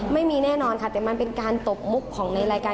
ไม่มีแน่นอนค่ะแต่มันเป็นการตบมุกของในรายการ